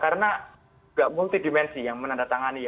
karena tidak multi dimensi yang menandatangani